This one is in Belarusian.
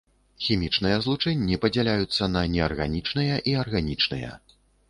Хімічныя злучэнні падзяляюцца на неарганічныя і арганічныя.